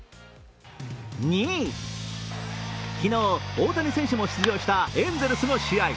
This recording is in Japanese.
２位、昨日、大谷選手も出場したエンゼルスの試合。